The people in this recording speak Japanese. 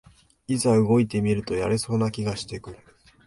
いざ動いてみるとやれそうな気がしてくる